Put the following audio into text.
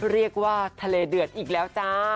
เรียกว่าทะเลเดือดอีกแล้วจ้า